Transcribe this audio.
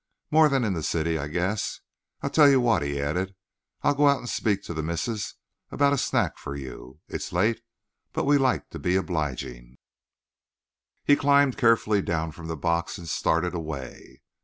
More than in the city, I guess. I'll tell you what," he added. "I'll go out and speak to the missus about a snack for you. It's late, but we like to be obligin'." He climbed carefully down from the box and started away.